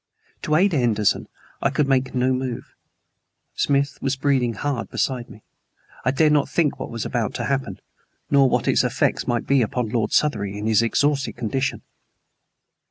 To aid Henderson I could make no move. Smith was breathing hard beside me. I dared not think what was about to happen, nor what its effects might be upon Lord Southery in his exhausted condition.